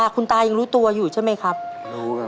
คุณตายังรู้ตัวอยู่ใช่ไหมครับรู้ครับ